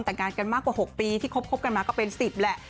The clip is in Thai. แต่งงานกันมากกว่า๖ปีที่คบกันมาก็เป็น๑๐แหละ